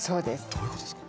どういうことですか？